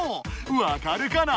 わかるかな？